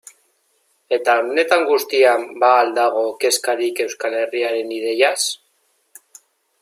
Eta honetan guztian ba al dago kezkarik Euskal Herriaren ideiaz?